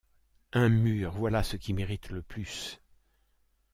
Un mur, voilà ce qui m’irrite le plus !